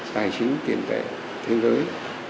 tài chính tiền tệ thế giới